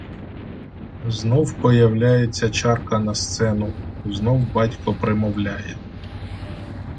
Знов появляється чарка на сцену, знов батько примовляє.